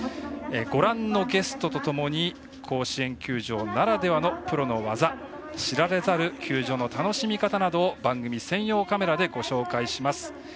ご覧のゲストとともに甲子園球場ならではのプロの技知られざる球場の楽しみ方などを番組専用カメラでご紹介します。